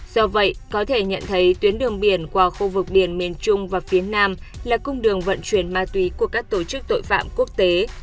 do vậy có thể nhận thấy tuyến đường biển qua khu vực biển miền trung và phía nam là cung đường vận chuyển ma túy của các tổ chức tội phạm quốc tế